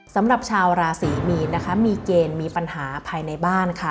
สำหรับชาวราศรีมีนนะคะมีเกณฑ์มีปัญหาภายในบ้านค่ะ